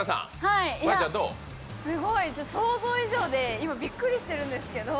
すごい、想像以上で今、びっくりしてるんですけど。